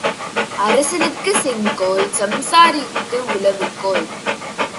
அரசனுக்குச் செங்கோல் சம்சாரிக்கு உழவு கோல்.